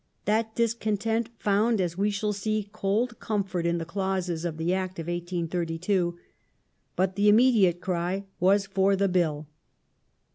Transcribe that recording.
That discontent found, as we shall see, cold comfort in the clauses of the Act of 1832. But the immediate cry was for " the Bill